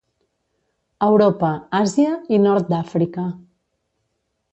Europa, Àsia i nord d'Àfrica.